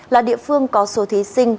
là địa phương có số thí sinh